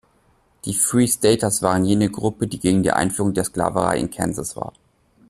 Die Free-Staters waren jene Gruppe, die gegen die Einführung der Sklaverei in Kansas war.